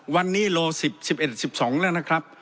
วันนี้โล๑๐๑๑๑๑๒แล้วนะครับ